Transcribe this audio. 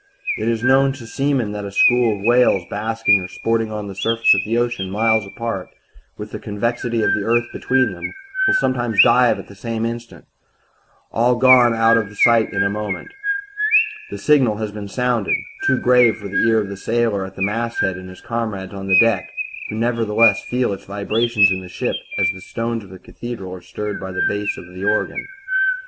"It is known to seamen that a school of whales basking or sporting on the surface of the ocean, miles apart, with the convexity of the earth between them, will sometimes dive at the same instant all gone out of sight in a moment. The signal has been sounded too grave for the ear of the sailor at the masthead and his comrades on the deck who nevertheless feel its vibrations in the ship as the stones of a cathedral are stirred by the bass of the organ.